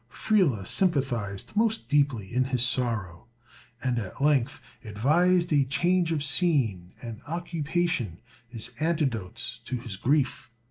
Friele sympathized most deeply in his sorrow, and at length advised a change of scene and occupation as antidotes to his grief.